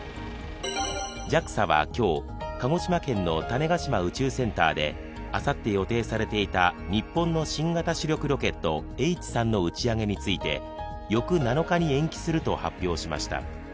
ＪＡＸＡは今日、鹿児島県の種子島宇宙センターであさって予定されていた日本の新型主力ロケットＨ３の打ち上げについて、翌７日に延期すると発表しました。